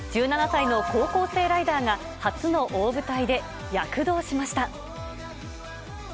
１７歳の高校生ライダーが初の大舞台で躍動しました。